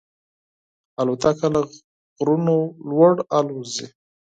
الوتکه له غرونو لوړ الوزي.